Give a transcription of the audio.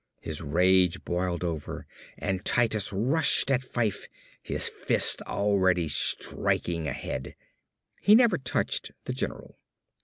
His rage boiled over and Titus rushed at Fyfe, his fist already striking ahead. He never touched the general.